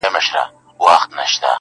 • که واړه دي که لویان پر تا سپرېږي -